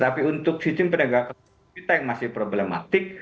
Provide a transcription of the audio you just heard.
tapi untuk sistem penegakan kita yang masih problematik